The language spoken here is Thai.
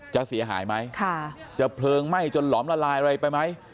เสียหายไหมจะเพลิงไหม้จนหลอมละลายอะไรไปไหม